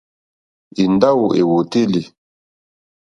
Èndáwò èwòtélì.